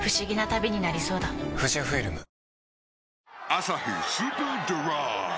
「アサヒスーパードライ」